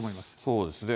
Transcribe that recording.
そうですね。